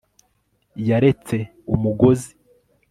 yaretse umugozi